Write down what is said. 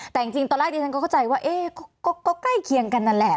แต่จริงตอนแรกที่ฉันก็เข้าใจว่าก็ใกล้เคียงกันนั่นแหละ